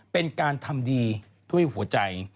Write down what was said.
เป็นการทำดีด้วยหัวใจ